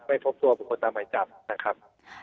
ไม่พบตัวบุคคลตามหมายจับนะครับ